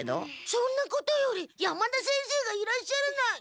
そんなことより山田先生がいらっしゃらない。